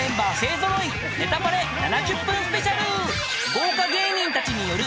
［豪華芸人たちによる］